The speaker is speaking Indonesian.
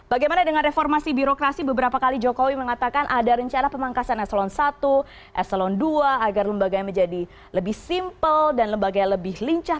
bagaimana dengan reformasi birokrasi beberapa kali jokowi mengatakan ada rencana pemangkasan eselon i eselon ii agar lembaga menjadi lebih simpel dan lembaga lebih lincah